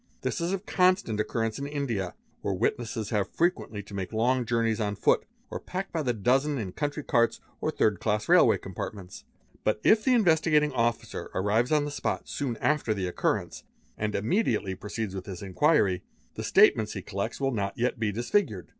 This is of constant occurrence in India where witnesses have frequently to make long journeys on foot or packed by the dozen in country carts or third class railway compartinents. But if the In vestigating Officer arrives on the spot soon .after the occurrence and immediately proceeds with his inquiry, the statements he collects will not yet be disfigured.